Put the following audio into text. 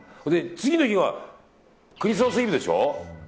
次の日は、クリスマスイブでしょ。